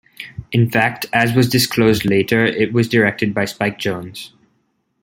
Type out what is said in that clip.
In fact, as was disclosed later, it was directed by Spike Jonze.